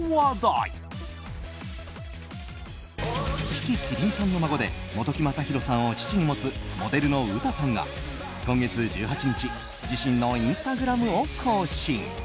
樹木希林さんの孫で本木雅弘さんを父に持つモデルのＵＴＡさんが今月１８日自身のインスタグラムを更新。